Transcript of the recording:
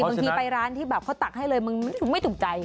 บางทีไปร้านที่แบบเขาตักให้เลยมึงไม่ถูกใจ